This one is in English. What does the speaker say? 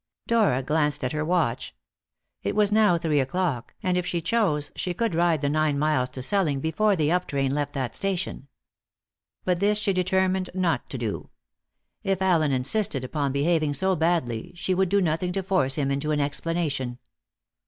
Dora glanced at her watch. It was now three o'clock, and if she chose she could ride the nine miles to Selling before the up train left that station. But this she determined not to do. If Allen insisted upon behaving so badly, she would do nothing to force him into an explanation.